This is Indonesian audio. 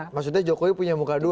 maksudnya jokowi punya muka dua